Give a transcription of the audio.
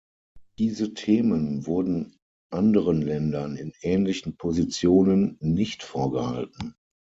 Diese Themen wurden anderen Ländern in ähnlichen Positionen nicht vorgehalten.